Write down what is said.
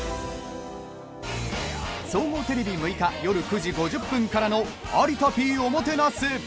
総合テレビ６日夜９時５０分からの「有田Ｐおもてなす」。